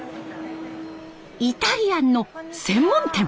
イタリアンの専門店。